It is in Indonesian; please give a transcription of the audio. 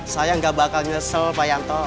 saya nggak bakal nyesel pak yanto